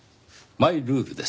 マイルールです。